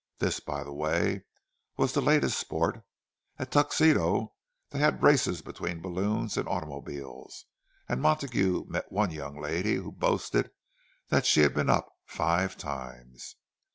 (This, by the way, was the latest sport—at Tuxedo they had races between balloons and automobiles; and Montague met one young lady who boasted that she had been up five times.)